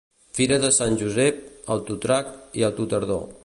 Fira de Sant Josep, Autotrac i Autotardor.